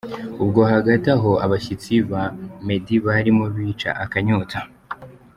Ubwo hagati aho abashyitsi ba Meddy barimo bica akanyota.